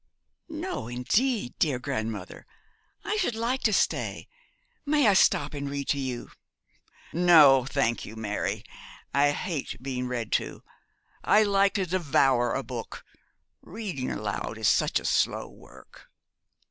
'No, indeed, dear grandmother, I should like to stay. May I stop and read to you?' 'No, thank you, Mary. I hate being read to. I like to devour a book. Reading aloud is such slow work.